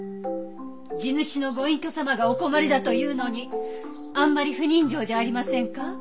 地主のご隠居様がお困りだというのにあんまり不人情じゃありませんか？